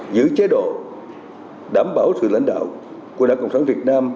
giữ chế độ đảm bảo sự lãnh đạo của đảng cộng sản việt nam